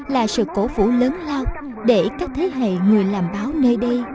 là sự cổ vũ lớn lao để các thế hệ người làm báo nơi đây